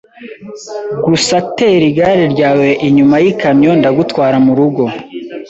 Gusa tera igare ryawe inyuma yikamyo ndagutwara murugo.